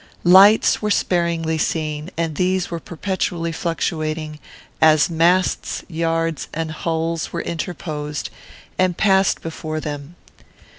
Lights were sparingly seen, and these were perpetually fluctuating, as masts, yards, and hulls were interposed, and passed before them.